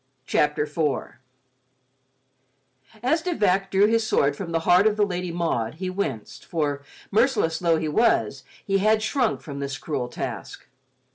CHAPTER IV As De Vac drew his sword from the heart of the Lady Maud, he winced, for, merciless though he was, he had shrunk from this cruel task.